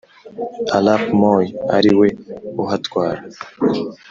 arap moyi ari we uhatwara